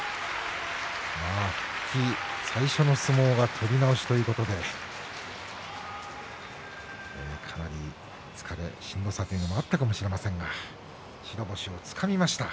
復帰最初の相撲が取り直しということでかなり疲れや、しんどさがあったかもしれませんが白星をつかみました